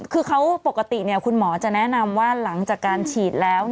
คือเขาปกติคุณหมอจะแนะนำว่าหลังจากการฉีดแล้ว